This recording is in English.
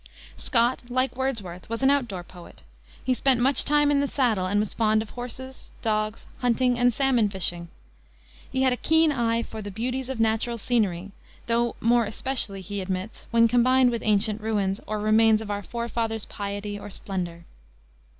Scott, like Wordsworth, was an out door poet. He spent much time in the saddle, and was fond of horses, dogs, hunting, and salmon fishing. He had a keen eye for the beauties of natural scenery, though "more especially," he admits, "when combined with ancient ruins or remains of our forefathers' piety or splendor."